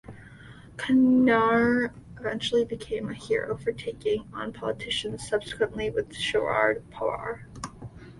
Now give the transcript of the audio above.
Khairnar eventually became a hero for taking on politicians, subsequently with Sharad Pawar.